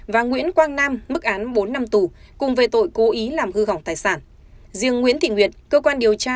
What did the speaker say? riêng nguyễn thị nguyệt cơ quan điều tra